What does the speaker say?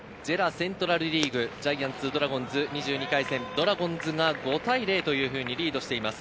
セントラルリーグ、ジャイアンツ、ドラゴンズ２２回戦、ドラゴンズが５対０とリードしています。